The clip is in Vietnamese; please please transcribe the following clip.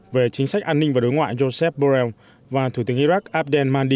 về chính sách an ninh và đối ngoại joseph borrell và thủ tướng iraq abdel maldi